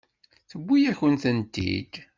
Tewwi-yakent-tent-id.